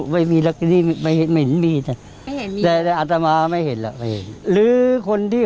ไม่มีแล้วไม่เห็นมีแล้วอาจมาไม่เห็นเห็นหรือคนที่